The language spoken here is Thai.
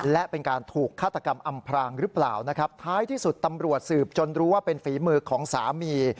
และเป็นการถูกฆาตกรรมอำพรางหรือเปล่านะครับท้ายที่สุดตำรวจสืบจนรู้ว่าเป็นฝีมือของสามี